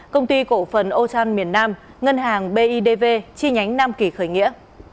công ty cổ phần âu trang miền nam ngân hàng bidv chi nhánh nam kỳ khởi nghĩa